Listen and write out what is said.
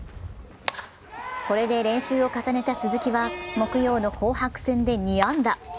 これで練習を重ねた鈴木は木曜の紅白戦で２安打。